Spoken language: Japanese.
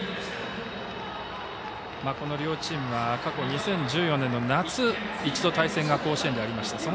この両チームは過去２０１４年の一度、対戦が甲子園でありました。